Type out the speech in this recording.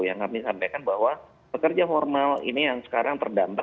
yang kami sampaikan bahwa pekerja formal ini yang sekarang terdampak